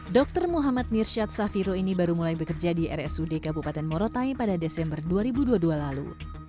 dr muhammad nirsyad safiro ini baru mulai bekerja di rsud kabupaten morotai pada desember dua ribu dua puluh dua lalu